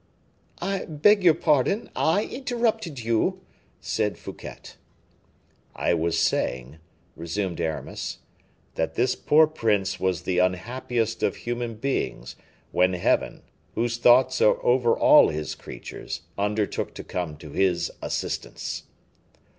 "I beg your pardon; I interrupted you," said Fouquet. "I was saying," resumed Aramis, "that this poor prince was the unhappiest of human beings, when Heaven, whose thoughts are over all His creatures, undertook to come to his assistance."